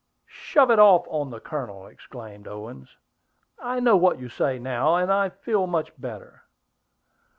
Shove it off on the Colonel!" exclaimed Owen. "I know what you say now; and I feel better."